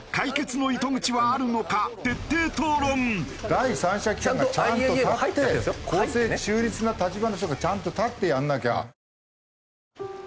第三者機関がちゃんと立って公正中立な立場の人がちゃんと立ってやんなきゃ。